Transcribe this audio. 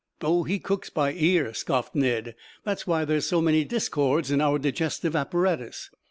"Oh, he cooks by ear," scoffed Ned. "That's why there's so many discords in our digestive apparatus."